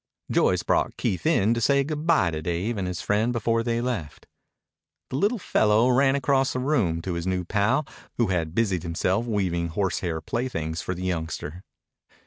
Joyce brought Keith in to say good bye to Dave and his friend before they left. The little fellow ran across the room to his new pal, who had busied himself weaving horsehair playthings for the youngster.